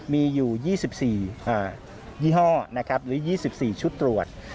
มีอยู่๒๔ยี่ห้อนะครับหรือ๒๔ชุดตรวจ